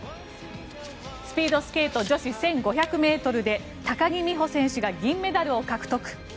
スピードスケート女子１５００ｍで高木美帆選手が銀メダルを獲得。